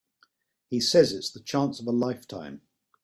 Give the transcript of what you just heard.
He says it's the chance of a lifetime.